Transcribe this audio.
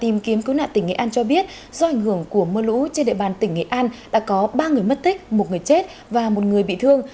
tìm kiếm cứu nạn tỉnh nghệ an cho biết do ảnh hưởng của mưa lũ trên địa bàn tỉnh nghệ an đã có ba người mất tích một người chết và một người bị thương